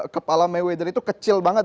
kepala mayweather itu kecil banget